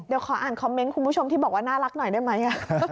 เดี๋ยวขออ่านคอมเมนต์คุณผู้ชมที่บอกว่าน่ารักหน่อยได้ไหม